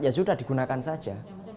ya sudah digunakan saja